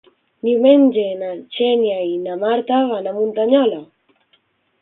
Diumenge na Xènia i na Marta van a Muntanyola.